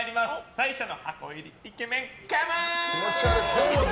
最初の箱入りイケメン、カモン！